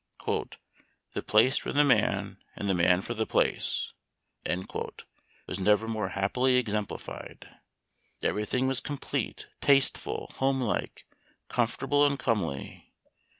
" The place for the man, and the man for the place," was never more happily exemplified. Every thing was complete, tasteful, home like, com fortable, and comely.